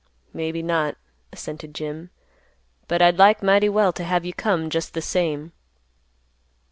"Maybe not," assented Jim. "But I'd like mighty well to have you come just the same."